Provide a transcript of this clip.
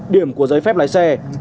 điểm của giấy phép lái xe